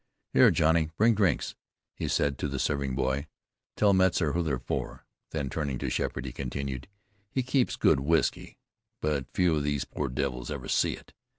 "Here, Johnny, bring drinks," he said to the serving boy. "Tell Metzar who they're for." Then turning to Sheppard he continued: "He keeps good whiskey; but few of these poor devils ever see it."